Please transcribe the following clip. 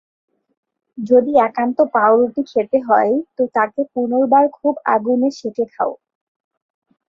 যদি একান্ত পাঁউরুটি খেতে হয় তো তাকে পুনর্বার খুব আগুনে সেঁকে খাও।